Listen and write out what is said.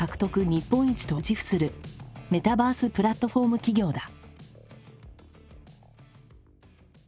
日本一と自負するメタバースプラットフォーム企業だ。